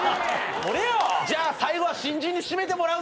じゃあ最後は新人に締めてもらうぜ。